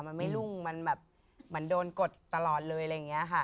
มันไม่รุ่งมันแบบเหมือนโดนกดตลอดเลยอะไรอย่างนี้ค่ะ